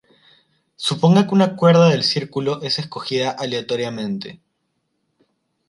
Suponga que una cuerda del círculo es escogida aleatoriamente.